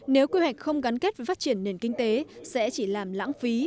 nếu quy hoạch không gắn kết phát triển nền kinh tế sẽ chỉ làm lãng phí